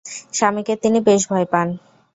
স্বামীকে তিনি বেশ ভয় পান।